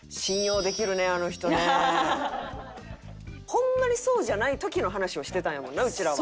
ホンマにそうじゃない時の話をしてたんやもんなうちらは。